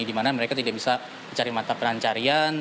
dimana mereka tidak bisa mencari mata pencarian